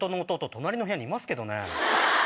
隣の部屋にいますけどね。